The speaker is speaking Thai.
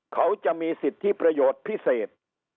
เขาจะมีสิทธิประโยชน์พิเศษ